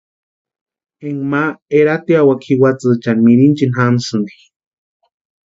Énka ma eratiawaka jiwatsïchani mirinchini jamsïnti.